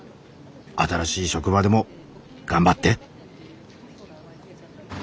新しい職場でも頑張って！